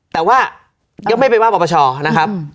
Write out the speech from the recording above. แต่ว่ายังไม่ไปว่าปปชนะครับ